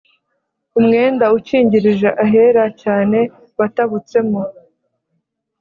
umwenda ukingirije ahera cyane watabutsemo